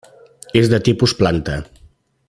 És de tipus planta.